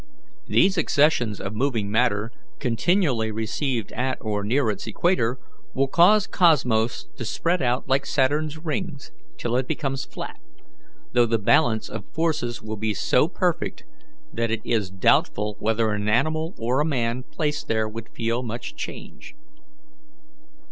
These accessions of moving matter, continually received at and near its equator, will cause Cosmos to spread out like Saturn's rings till it becomes flat, though the balance of forces will be so perfect that it is doubtful whether an animal or a man placed there would feel much change.